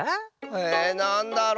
えなんだろう。